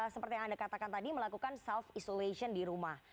seperti yang anda katakan tadi melakukan self isolation di rumah